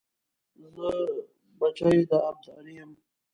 زه بچی د ابدالي یم .